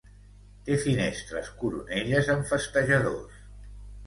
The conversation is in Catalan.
Té finestres coronelles amb festejadors.